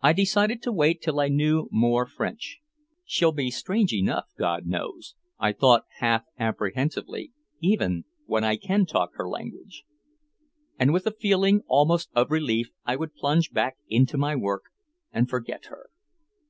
I decided to wait till I knew more French. "She'll be strange enough, God knows," I thought half apprehensively, "even when I can talk her language." And with a feeling almost of relief I would plunge back into my work and forget her.